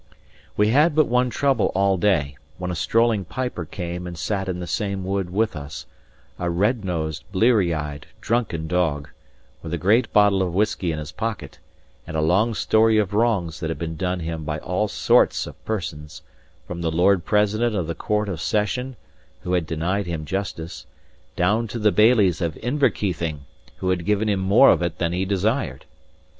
We had but one trouble all day; when a strolling piper came and sat in the same wood with us; a red nosed, bleareyed, drunken dog, with a great bottle of whisky in his pocket, and a long story of wrongs that had been done him by all sorts of persons, from the Lord President of the Court of Session, who had denied him justice, down to the Bailies of Inverkeithing who had given him more of it than he desired.